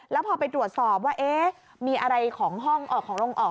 แล้วพอไปตรวจสอบว่ามีอะไรของห้องออกของโรงออก